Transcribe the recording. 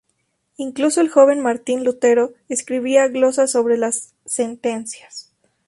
Incluso el joven Martín Lutero escribía glosas sobre las "Sentencias".